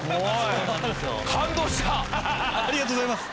ありがとうございます。